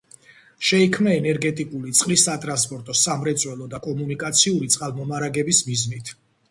შეიქმნა ენერგეტიკული, წყლის სატრანსპორტო, სამრეწველო და კომუნიკაციური წყალმომარაგების მიზნით.